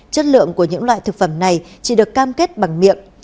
chất lượng của những loại thực phẩm này chỉ được cam kết bằng miệng